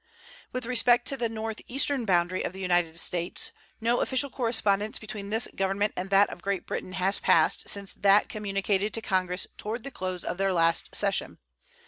With respect to the northeastern boundary of the United States, no official correspondence between this Government and that of Great Britain has passed since that communicated to Congress toward the close of their last session.